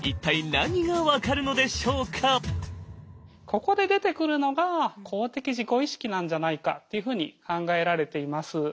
ここで出てくるのが公的自己意識なんじゃないかというふうに考えられています。